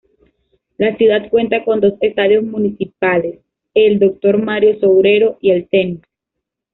La ciudad cuenta con dos estadios municipales: el Dr. Mario Sobrero y el Tenis.